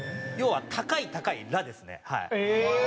要は高い高いラですね。